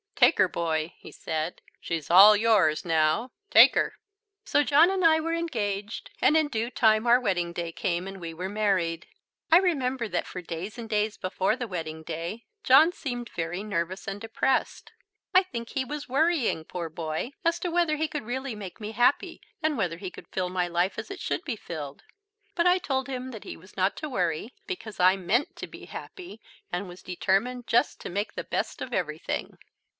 "Take her, boy," he said. "She's all yours now, take her." So John and I were engaged, and in due time our wedding day came and we were married. I remember that for days and days before the wedding day John seemed very nervous and depressed; I think he was worrying, poor boy, as to whether he could really make me happy and whether he could fill my life as it should be filled. But I told him that he was not to worry, because I meant to be happy, and was determined just to make the best of everything.